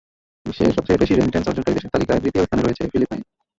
বিশ্বের সবচেয়ে বেশি রেমিট্যান্স অর্জনকারী দেশের তালিকায় তৃতীয় স্থানে রয়েছে ফিলিপাইন।